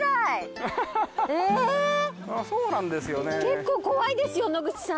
結構怖いですよ野口さん。